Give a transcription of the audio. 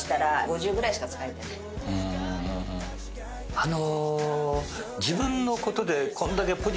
あの。